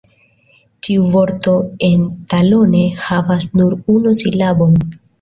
Ĉiu vorto en "Ta lo ne" havas nur unu silabon.